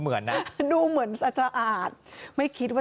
เจ้าของห้องเช่าโพสต์คลิปนี้